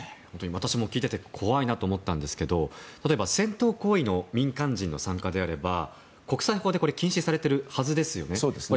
私も聞いていて怖いなと思ったんですけど例えば戦闘行為の民間人の参加であれば国際法で禁止されているはずですよね。